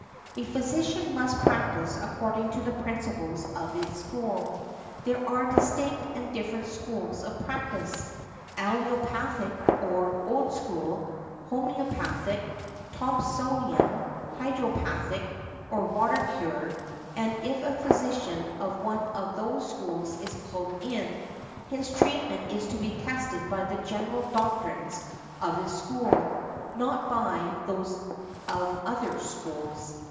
A physician must practise according to the principles of his school. There are distinct and different schools of practice; allopathic or old school, homœopathic, Thompsonian, hydropathic or water cure; and if a physician of one of those schools is called in, his treatment is to be tested by the general doctrines of his school, not by those of other schools.